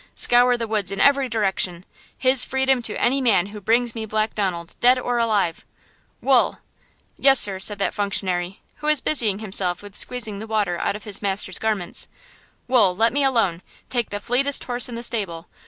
Scour the woods in every direction! His freedom to any man who brings me Black Donald, dead or alive–Wool!" "Yes, sir," said that functionary, who was busying himself with squeezing the water out of his master's garments. "Wool, let me alone? Take the fleetest horse in the stable!